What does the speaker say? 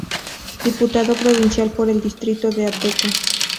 Diputado provincial por el distrito de Ateca.